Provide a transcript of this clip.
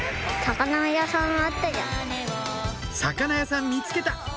魚屋さん見つけた！